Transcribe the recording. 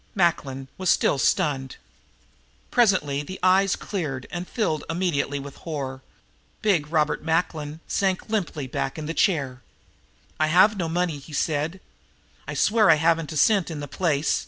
Macklin was still stunned. Presently the dull eyes cleared and filled immediately with horror. Big Robert Macklin sank limply back in the chair. "I've no money," he said. "I swear I haven't a cent in the place.